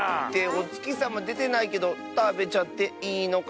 おつきさまでてないけどたべちゃっていいのかなあ。